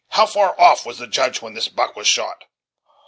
how far off was the Judge when this buck was shot?"